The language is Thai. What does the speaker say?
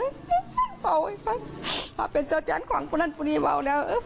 แล้วเป็นจริงควังฟรรณปุ่นนี้กำลังพูดหีบ่อย